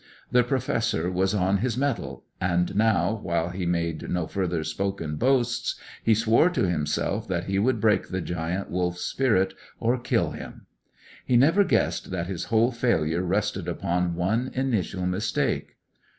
The Professor was on his mettle; and now, while he made no further spoken boasts, he swore to himself that he would break the Giant Wolf's spirit or kill him. He never guessed that his whole failure rested upon one initial mistake.